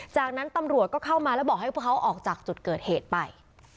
จากนั้นตำรวจก็เข้ามาแล้วบอกให้พวกเขาออกจากจุดเกิดเหตุไป